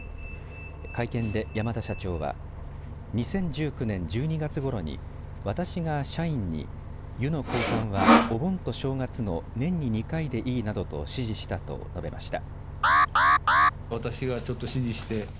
会見で山田社長は２０１９年１２月ごろに私が社員に湯の交換は、お盆と正月の年に２回でいいなどと指示したと述べました。